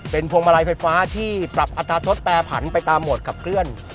เป็นพวงมาลัยไฟฟ้าที่ปรับอัตราทศแปรผันไปตามโหมดขับเคลื่อน